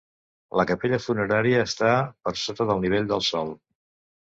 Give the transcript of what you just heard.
La capella funerària està per sota el nivell del sòl.